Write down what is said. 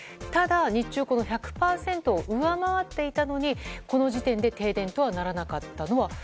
ただ、日中１００％を上回っていたのにこの時点で停電とはならなかったのは